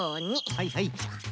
はいはい。